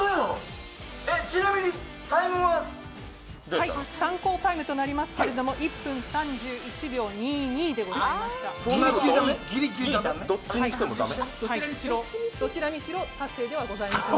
ちなみにタイムは参考タイムでございますが、１分３１秒２２でございます。